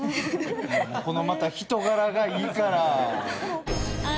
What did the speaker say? このまた人柄がいいから。